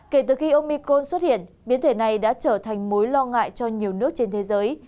kể từ khi ông micron xuất hiện biến thể này đã trở thành mối lo ngại cho nhiều nước trên thế giới